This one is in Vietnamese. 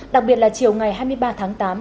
đặc biệt là chiều ngày hai mươi ba tháng tám